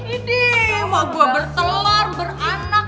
ini mah gue bertelur beranak